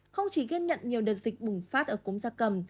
không chỉ ghi nhận nhiều đợt dịch bùng phát ở cúm da cầm